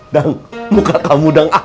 dang muka kamu dang ah